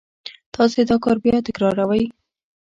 تاسې دا کار بیا بیا تکراروئ